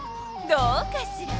どうかしら？